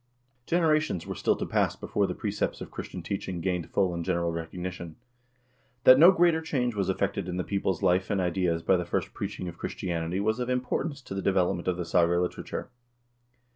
Generations were still to pass before the precepts of Christian teaching gained full and general recognition. That no greater change was effected in the people's life and ideas by the first preaching of Christianity was of importance to the de velopment of the saga literature.